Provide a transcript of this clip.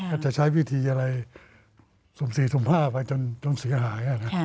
ก็จะใช้วิธีอะไรศุมศรีศุมภาพไปจนเสียหาย